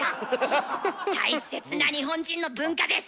大切な日本人の文化です。